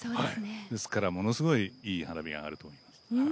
ですからものすごい、いい花火が上がると思います。